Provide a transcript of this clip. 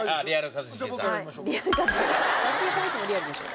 一茂さんいつもリアルでしょ。